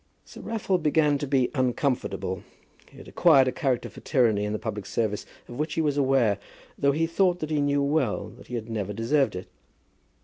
Sir Raffle began to be uncomfortable. He had acquired a character for tyranny in the public service of which he was aware, though he thought that he knew well that he had never deserved it.